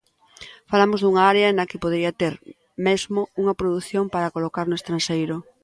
Falamos dunha área na que podería ter, mesmo, unha produción para colocar no estranxeiro.